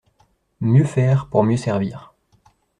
Mieux faire pour mieux servir